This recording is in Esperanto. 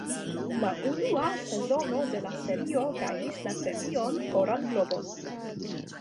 La unua sezono de la serio gajnis la Premion Oran Globon.